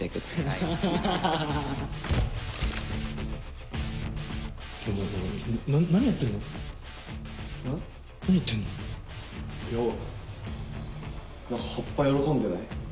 いや何か葉っぱ喜んでない？